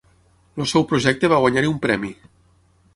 El seu projecte va guanyar-hi un premi.